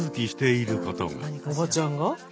おばちゃんが？